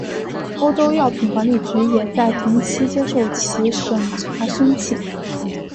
欧洲药品管理局也在同期接受其审查申请。